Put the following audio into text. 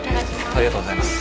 ありがとうございます。